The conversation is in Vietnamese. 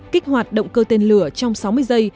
kích hoạt động cơ tên lửa trong sáu mươi giây